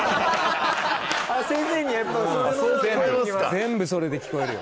全部それで聞こえるよ。